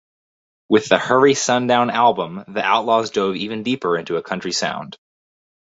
With the "Hurry Sundown" album the Outlaws dove even deeper into a country sound.